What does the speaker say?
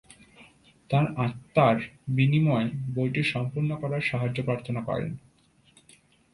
তার আত্মার বিনিময়ে বইটি সম্পূর্ণ করার সাহায্য প্রার্থনা করেন।